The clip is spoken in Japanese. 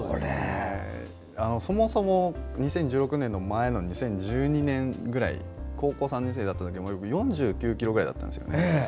そもそも２０１６年の前の２０１２年ぐらい高校３年生のときは４９ｋｇぐらいだったんです。